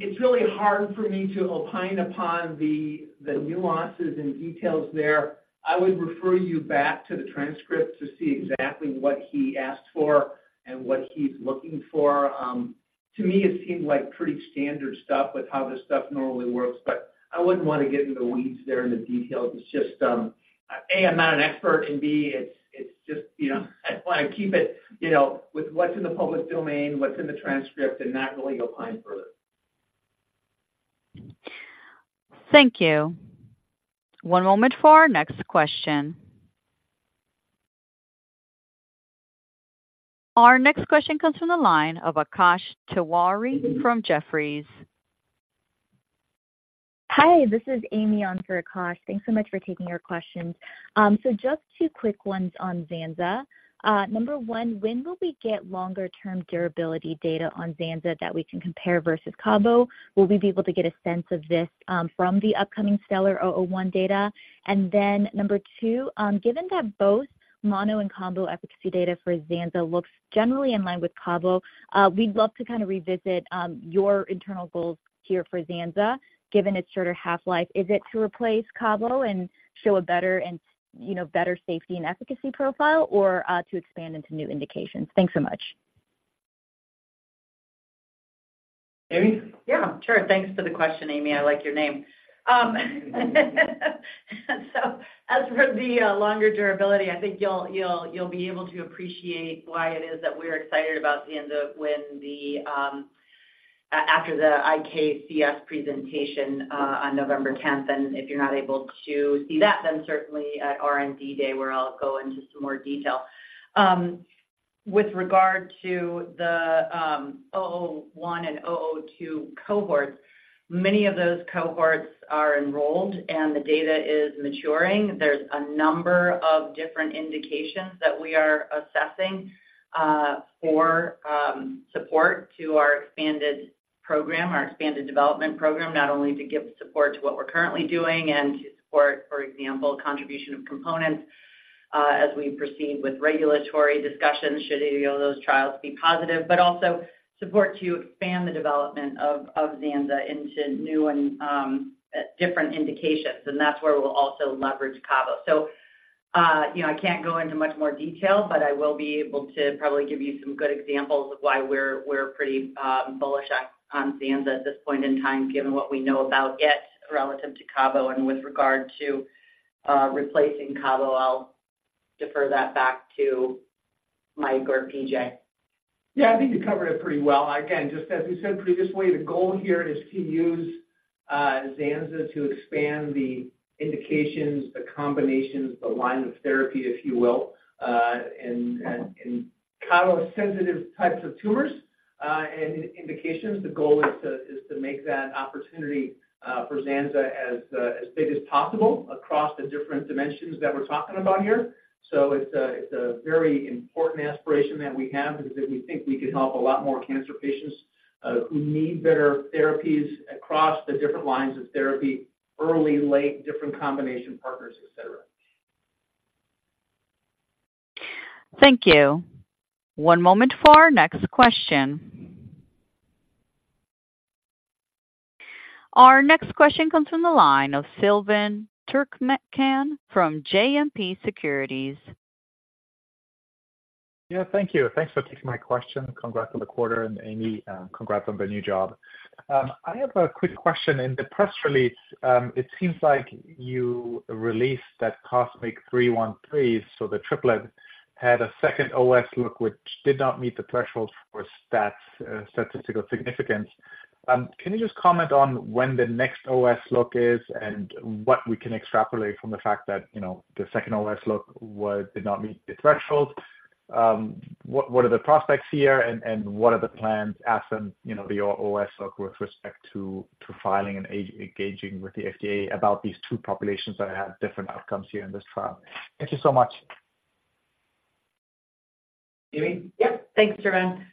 It's really hard for me to opine upon the nuances and details there. I would refer you back to the transcript to see exactly what he asked for and what he's looking for. To me, it seemed like pretty standard stuff with how this stuff normally works, but I wouldn't want to get into the weeds there and the details. It's just, A, I'm not an expert, and B, it's just, you know, I want to keep it, you know, with what's in the public domain, what's in the transcript, and not really opine further. Thank you. One moment for our next question. Our next question comes from the line of Akash Tewari from Jefferies. Hi, this is Amy on for Akash. Thanks so much for taking our questions. So just two quick ones on Zanza. Number one, when will we get longer-term durability data on Zanza that we can compare versus cabo? Will we be able to get a sense of this from the upcoming STELLAR-001 data? And then number two, given that both mono and combo efficacy data for Zanza looks generally in line with cabo, we'd love to kind of revisit your internal goals here for Zanza, given its shorter half-life. Is it to replace cabo and show a better and, you know, better safety and efficacy profile, or to expand into new indications? Thanks so much. Amy? Yeah, sure. Thanks for the question, Amy. I like your name. So as for the longer durability, I think you'll, you'll, you'll be able to appreciate why it is that we're excited about Zanza when the after the IKCS presentation on November tenth. And if you're not able to see that, then certainly at R&D Day, where I'll go into some more detail. With regard to the XB001 and XB002 cohorts, many of those cohorts are enrolled and the data is maturing. There's a number of different indications that we are assessing for support to our expanded program, our expanded development program. Not only to give support to what we're currently doing and to support, for example, contribution of components as we proceed with regulatory discussions, should any of those trials be positive. But also support to expand the development of Zanza into new and different indications, and that's where we'll also leverage cabo. So, you know, I can't go into much more detail, but I will be able to probably give you some good examples of why we're pretty bullish on Zanza at this point in time, given what we know about it relative to cabo and with regard to replacing cabo. I'll defer that back to Mike or P.J. Yeah, I think you covered it pretty well. Again, just as we said previously, the goal here is to use Xanza to expand the indications, the combinations, the lines of therapy, if you will, in cabo-sensitive types of tumors and indications. The goal is to make that opportunity for Xanza as big as possible across the different dimensions that we're talking about here. So it's a very important aspiration that we have because we think we can help a lot more cancer patients who need better therapies across the different lines of therapy, early, late, different combination partners, et cetera. Thank you. One moment for our next question. Our next question comes from the line of Silvan Tuerkcan from JMP Securities. Yeah, thank you. Thanks for taking my question. Congrats on the quarter, and Amy, congrats on the new job. I have a quick question. In the press release, it seems like you released that COSMIC-313, so the triplet had a second OS look, which did not meet the threshold for statistical significance. Can you just comment on when the next OS look is and what we can extrapolate from the fact that, you know, the second OS look did not meet the threshold? What are the prospects here, and what are the plans as in, you know, the OS look with respect to filing and engaging with the FDA about these two populations that have different outcomes here in this trial? Thank you so much. Amy? Yep. Thanks, Silvan.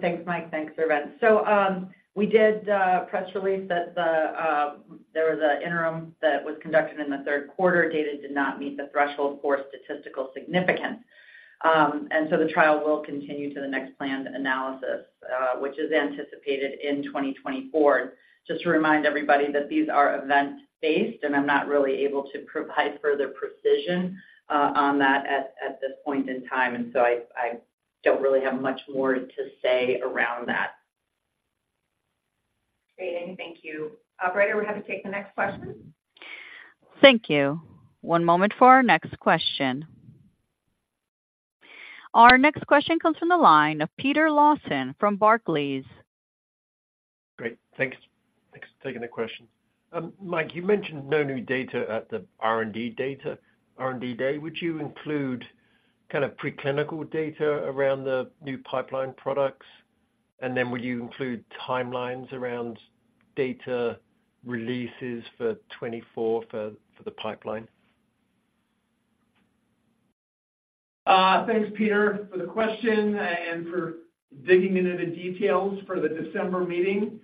Thanks, Mike. Thanks, Silvan. So, we did a press release that the, there was an interim that was conducted in the third quarter. Data did not meet the threshold for statistical significance. And so the trial will continue to the next planned analysis, which is anticipated in 2024. Just to remind everybody that these are event-based, and I'm not really able to provide further precision, on that at this point in time, and so I don't really have much more to say around that. Great. Thank you. Operator, we're happy to take the next question. Thank you. One moment for our next question. Our next question comes from the line of Peter Lawson from Barclays. Great. Thanks. Thanks for taking the question. Mike, you mentioned no new data at the R&D Day. Would you include kind of preclinical data around the new pipeline products? And then would you include timelines around data releases for 2024 for the pipeline? Thanks, Peter, for the question and for digging into the details for the December meeting.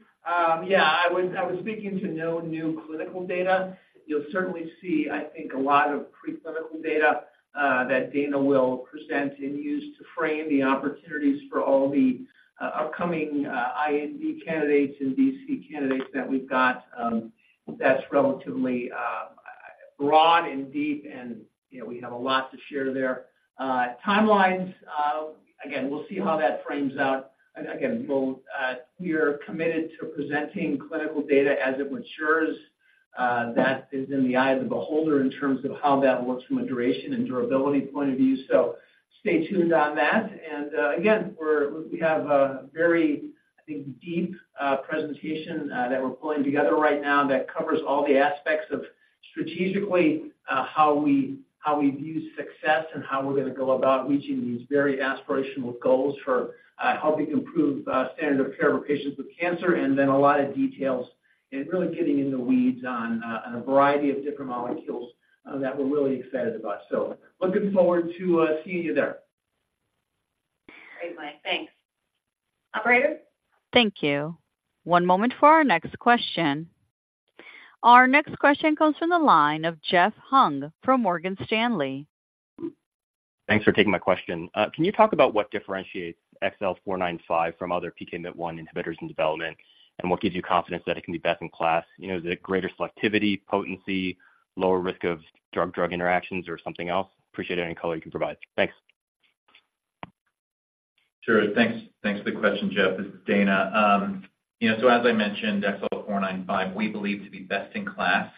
Yeah, I was speaking to no new clinical data. You'll certainly see, I think, a lot of preclinical data that Dana will present and use to frame the opportunities for all the upcoming IND candidates and ADC candidates that we've got. That's relatively broad and deep, and, you know, we have a lot to share there. Timelines, again, we'll see how that frames out. Again, we are committed to presenting clinical data as it matures. That is in the eye of the beholder in terms of how that looks from a duration and durability point of view. So stay tuned on that. And, again, we're we have a very. I think deep presentation that we're pulling together right now, that covers all the aspects of strategically how we, how we view success and how we're going to go about reaching these very aspirational goals for helping improve standard of care for patients with cancer, and then a lot of details and really getting in the weeds on on a variety of different molecules that we're really excited about. So looking forward to seeing you there. Great, Mike. Thanks. Operator? Thank you. One moment for our next question. Our next question comes from the line of Jeff Hung from Morgan Stanley. Thanks for taking my question. Can you talk about what differentiates XL495 from other PKMYT1 inhibitors in development, and what gives you confidence that it can be best in class? You know, is it greater selectivity, potency, lower risk of drug-drug interactions, or something else? Appreciate any color you can provide. Thanks. Sure. Thanks, thanks for the question, Jeff. This is Dana. You know, so as I mentioned, XL495, we believe to be best in class.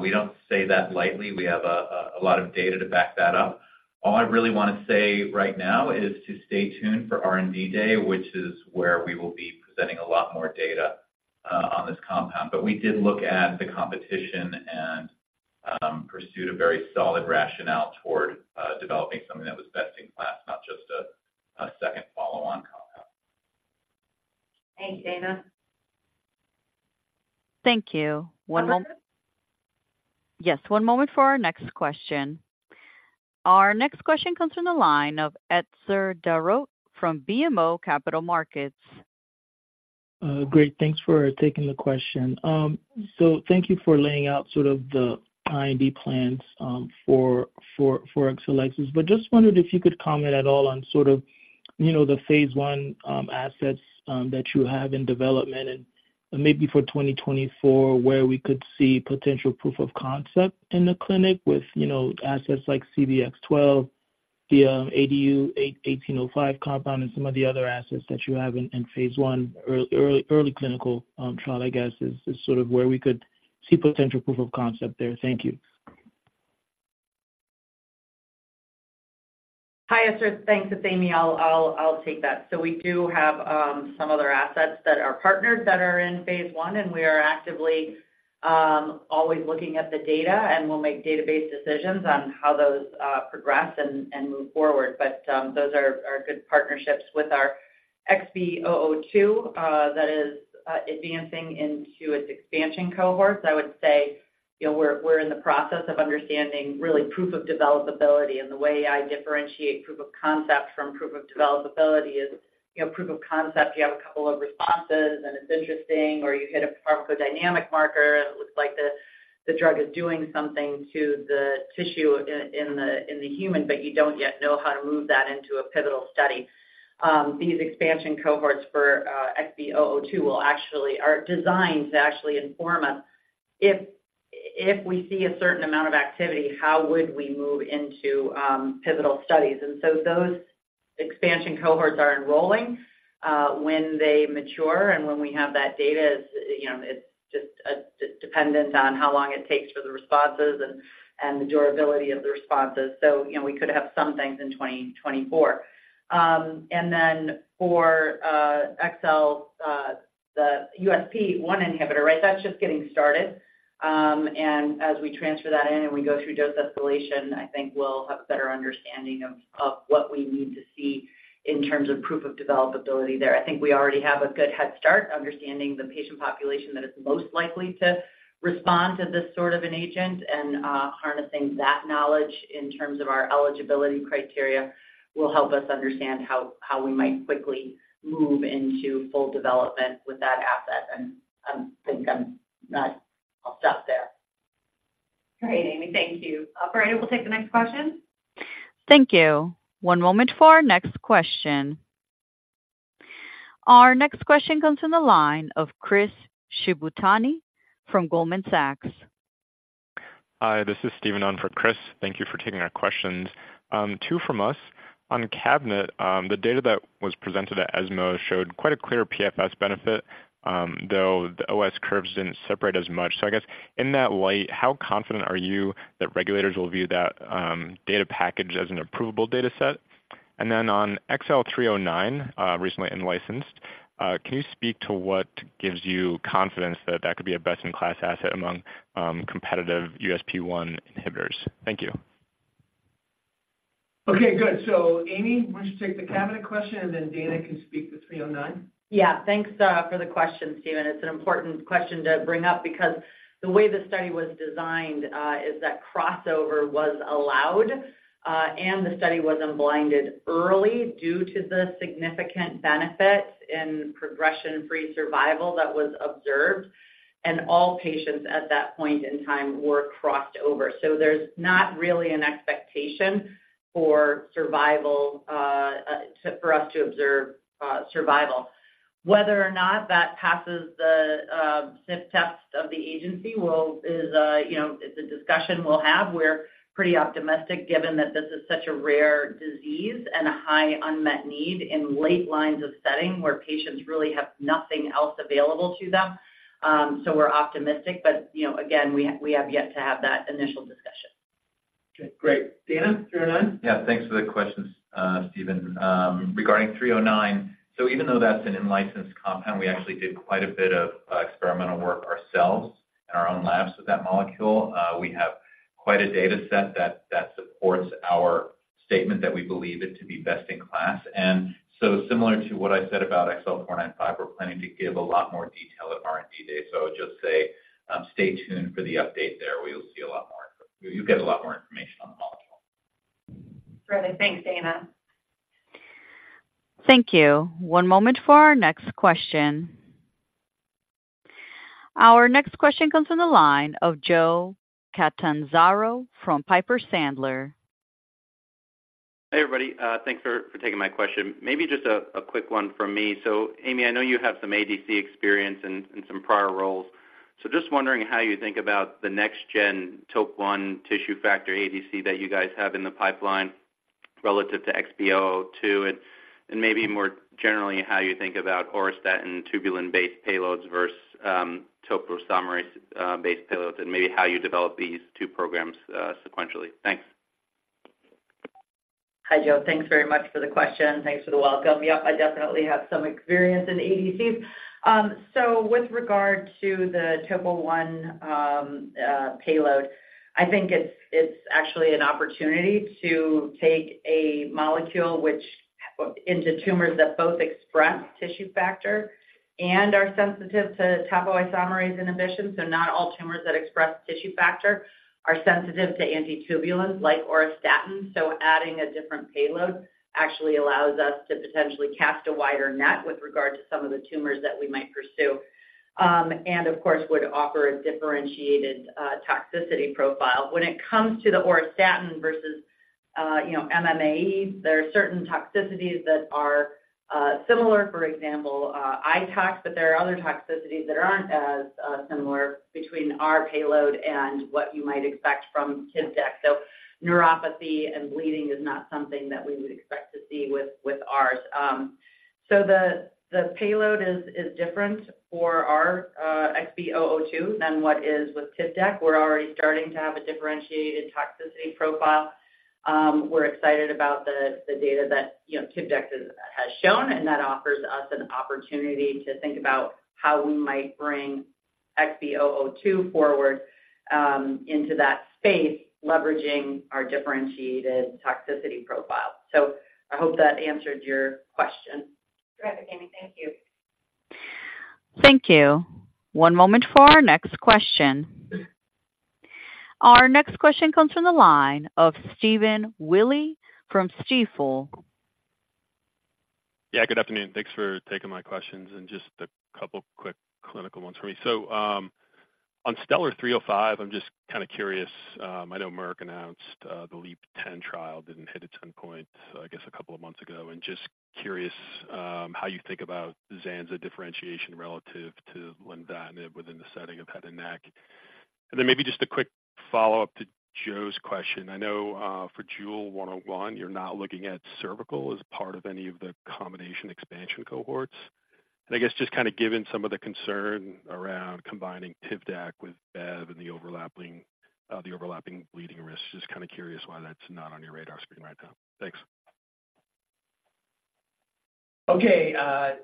We don't say that lightly. We have a, a lot of data to back that up. All I really want to say right now is to stay tuned for R&D Day, which is where we will be presenting a lot more data on this compound. But we did look at the competition and pursued a very solid rationale toward developing something that was best in class, not just a, a second follow-on compound. Thanks, Dana. Thank you. One moment. Operator? Yes, one moment for our next question. Our next question comes from the line of Etzer Darout from BMO Capital Markets. Great. Thanks for taking the question. So thank you for laying out sort of the R&D plans for Exelixis. But just wondered if you could comment at all on sort of, you know, the phase 1 assets that you have in development, and maybe for 2024, where we could see potential proof of concept in the clinic with, you know, assets like CBX-12, the ADU-1805 compound, and some of the other assets that you have in phase 1 early clinical trial, I guess, is sort of where we could see potential proof of concept there. Thank you. Hi, Etzer. Thanks. It's Amy. I'll take that. So we do have some other assets that are partnered, that are in phase 1, and we are actively always looking at the data, and we'll make database decisions on how those progress and move forward. But those are good partnerships with our XB002 that is advancing into its expansion cohorts. I would say, you know, we're in the process of understanding, really, proof of developability. And the way I differentiate proof of concept from proof of developability is, you know, proof of concept, you have a couple of responses, and it's interesting, or you hit a pharmacodynamic marker, and it looks like the drug is doing something to the tissue in the human, but you don't yet know how to move that into a pivotal study. These expansion cohorts for XB002 are designed to actually inform us if we see a certain amount of activity, how would we move into pivotal studies? And so those expansion cohorts are enrolling when they mature and when we have that data, as you know, it's just dependent on how long it takes for the responses and the durability of the responses. So, you know, we could have some things in 2024. And then for XL the USP1 inhibitor, right? That's just getting started. And as we transfer that in and we go through dose escalation, I think we'll have a better understanding of what we need to see in terms of proof of developability there. I think we already have a good head start understanding the patient population that is most likely to respond to this sort of an agent, and harnessing that knowledge in terms of our eligibility criteria, will help us understand how we might quickly move into full development with that asset. And I think I'll stop there. Great, Amy. Thank you. Operator, we'll take the next question. Thank you. One moment for our next question. Our next question comes from the line of Chris Shibutani from Goldman Sachs. Hi, this is Steven on for Chris. Thank you for taking our questions. Two from us. On CABINET, the data that was presented at ESMO showed quite a clear PFS benefit, though the OS curves didn't separate as much. So I guess in that light, how confident are you that regulators will view that data package as an approvable data set? And then on XL309, recently in-licensed, can you speak to what gives you confidence that that could be a best-in-class asset among competitive USP1 inhibitors? Thank you. Okay, good. So Amy, why don't you take the CABINET question, and then Dana can speak to 309. Yeah. Thanks for the question, Steven. It's an important question to bring up because the way the study was designed is that crossover was allowed, and the study was unblinded early due to the significant benefit in progression-free survival that was observed, and all patients at that point in time were crossed over. So there's not really an expectation for survival to for us to observe survival. Whether or not that passes the sniff test of the agency will is you know, it's a discussion we'll have. We're pretty optimistic, given that this is such a rare disease and a high unmet need in late lines of setting, where patients really have nothing else available to them. We're optimistic, but, you know, again, we have yet to have that initial discussion. Okay, great. Dana, 309? Yeah, thanks for the questions, Stephen. Regarding 309, so even though that's an in-licensed compound, we actually did quite a bit of experimental work ourselves in our own labs with that molecule. We have quite a data set that supports our statement that we believe it to be best in class. And so similar to what I said about XL495, we're planning to give a lot more detail at R&D Day. So I would just say, stay tuned for the update there, where you'll see a lot more, where you'll get a lot more information on the molecule. Great. Thanks, Dana. Thank you. One moment for our next question. Our next question comes from the line of Joe Catanzaro from Piper Sandler. Hey, everybody, thanks for taking my question. Maybe just a quick one from me. So Amy, I know you have some ADC experience in some prior roles. So just wondering how you think about the next-gen Topo I tissue factor ADC that you guys have in the pipeline relative to XB002, and maybe more generally, how you think about auristatin tubulin-based payloads versus topoisomerase-based payloads, and maybe how you develop these two programs sequentially. Thanks. Hi, Joe. Thanks very much for the question. Thanks for the welcome. I definitely have some experience in ADCs. With regard to the Topo one payload, I think it's actually an opportunity to take a molecule into tumors that both express tissue factor and are sensitive to topoisomerase inhibition. Not all tumors that express tissue factor are sensitive to anti-tubulins like auristatin. Adding a different payload actually allows us to potentially cast a wider net with regard to some of the tumors that we might pursue, and of course, would offer a differentiated toxicity profile. When it comes to the auristatin versus, you know, MMAE, there are certain toxicities that are similar, for example, eye tox, but there are other toxicities that aren't as similar between our payload and what you might expect from Tivdak. So neuropathy and bleeding is not something that we would expect to see with ours. So the payload is different for our XB002 than what is with Tivdak. We're already starting to have a differentiated toxicity profile. We're excited about the data that, you know, Tivdak has shown, and that offers us an opportunity to think about how we might bring XB002 forward into that space, leveraging our differentiated toxicity profile. So I hope that answered your question. Great, Amy. Thank you. Thank you. One moment for our next question. Our next question comes from the line of Stephen Willey from Stifel. Yeah, good afternoon. Thanks for taking my questions, and just a couple quick clinical ones for me. So, on STELLAR-305, I'm just kind of curious. I know Merck announced the LEAP-010 trial didn't hit its endpoint, I guess, a couple of months ago. And just curious how you think about Zanza differentiation relative to Lenvima within the setting of head and neck. And then maybe just a quick follow-up to Joe's question. I know for JEWEL-101, you're now looking at cervical as part of any of the combination expansion cohorts. And I guess just kind of given some of the concern around combining Tivdak with Bev and the overlapping bleeding risks, just kind of curious why that's not on your radar screen right now. Thanks. Okay,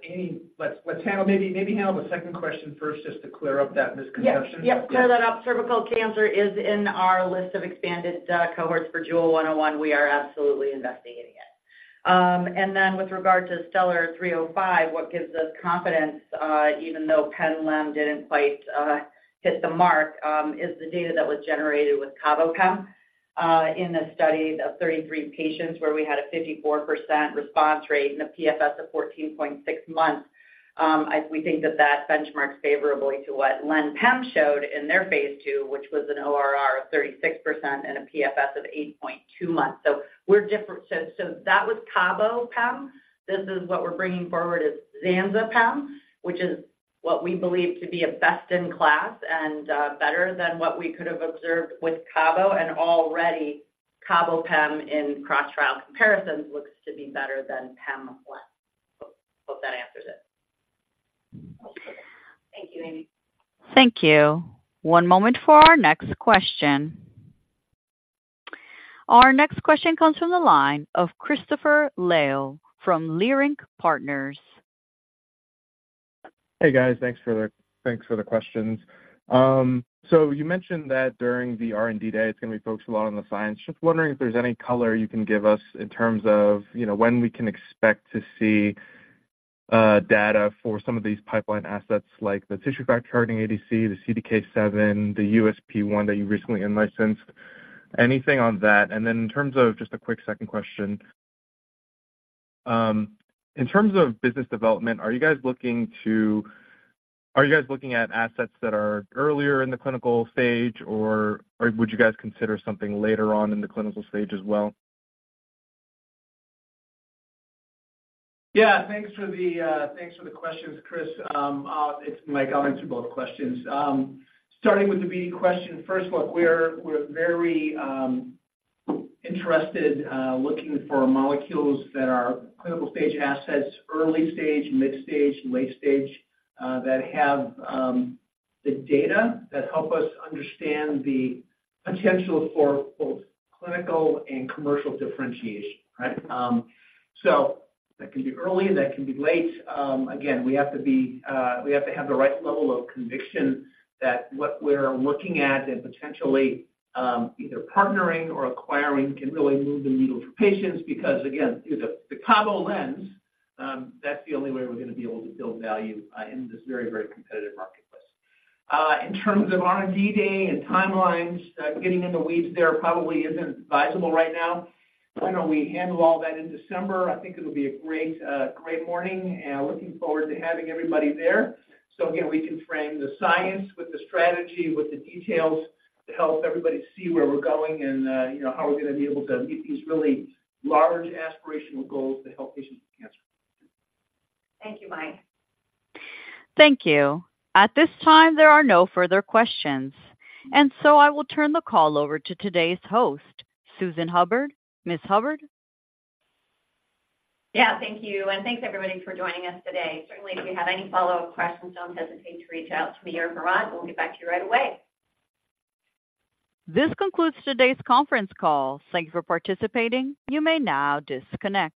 Amy, let's handle maybe the second question first, just to clear up that misconception. Yep. Yep. Clear that up. Cervical cancer is in our list of expanded cohorts for JEWEL-101. We are absolutely investigating it. And then with regard to STELLAR-305, what gives us confidence, even though Pem-Len didn't quite hit the mark, is the data that was generated with Cabo-Pem. In the study of 33 patients where we had a 54% response rate and a PFS of 14.6 months, we think that that benchmarks favorably to what Len-Pem showed in their phase 2, which was an ORR of 36, and a PFS of 8.2 months. So we're different. So that was Cabo-Pem. This is what we're bringing forward is Zanza-Pem, which is what we believe to be a best-in-class and better than what we could have observed with Cabo and already Cabo-Pem in cross-trial comparisons, looks to be better than Pem-Len. Hope that answers it. Thank you, Amy. Thank you. One moment for our next question. Our next question comes from the line of Christopher Liu from Leerink Partners. Hey, guys. Thanks for the, thanks for the questions. So you mentioned that during the R&D day, it's going to be focused a lot on the science. Just wondering if there's any color you can give us in terms of, you know, when we can expect to see data for some of these pipeline assets, like the tissue factor targeting ADC, the CDK7, the USP1 that you recently in-licensed. Anything on that? And then in terms of just a quick second question, in terms of business development, are you guys looking at assets that are earlier in the clinical stage, or would you guys consider something later on in the clinical stage as well? Yeah, thanks for the, thanks for the questions, Chris. It's Mike. I'll answer both questions. Starting with the BD question, first, look, we're, we're very, interested, looking for molecules that are clinical-stage assets, early stage, mid-stage, late stage, that have, the data that help us understand the potential for both clinical and commercial differentiation, right? So that can be early, and that can be late. Again, we have to be, we have to have the right level of conviction that what we're looking at and potentially, either partnering or acquiring, can really move the needle for patients. Because, again, through the, the Cabo lens, that's the only way we're going to be able to build value, in this very, very competitive marketplace. In terms of R&D day and timelines, getting in the weeds there probably isn't advisable right now. Why don't we handle all that in December? I think it'll be a great, great morning, and looking forward to having everybody there. So again, we can frame the science with the strategy, with the details to help everybody see where we're going and, you know, how we're going to be able to meet these really large aspirational goals to help patients with cancer. Thank you, Mike. Thank you. At this time, there are no further questions, and so I will turn the call over to today's host, Susan Hubbard. Ms. Hubbard? Yeah, thank you, and thanks everybody for joining us today. Certainly, if you have any follow-up questions, don't hesitate to reach out to me or Murad. We'll get back to you right away. This concludes today's conference call. Thank you for participating. You may now disconnect.